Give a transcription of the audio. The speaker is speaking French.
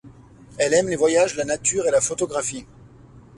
Elle aime les voyages, la nature, et la photographie.